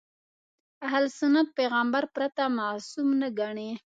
اهل سنت پیغمبر پرته معصوم نه ګڼي.